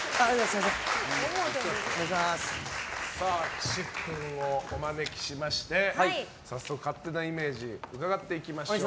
岸君をお招きしまして早速、勝手なイメージ伺っていきましょう。